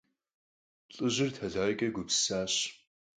Лӏыжьыр тэлайкӀэ гупсысащ.